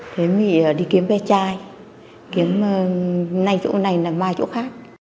thế thì đi kiếm vé chai kiếm này chỗ này là mai chỗ khác